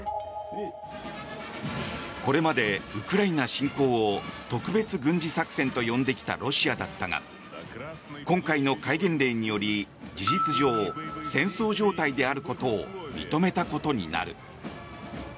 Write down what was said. これまでウクライナ侵攻を特別軍事作戦と呼んできたロシアだったが今回の戒厳令により事実上、戦争状態であることを認めたことになる。